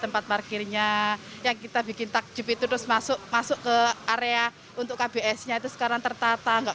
pokoknya yang kita bikin takjubi terus masuk masuk ke area untuk kbs nya itu sekarang tertata enggak